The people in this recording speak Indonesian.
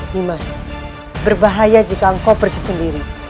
nimas berbahaya jika kau pergi sendiri